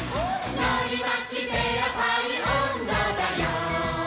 「のりまきペラパリおんどだよ」